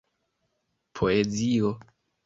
poezio